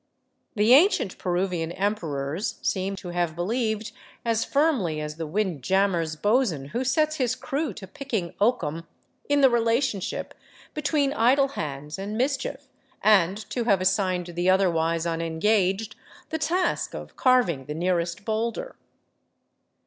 The ancient Peruvian emperors seem to have believed, as firmly as the windjammer's " bo's'n " who sets his crew to picking oakum, in the relationship be tween idle hands and mischief, and to have assigned the otherwise un engaged the task of carving the nearest boulder.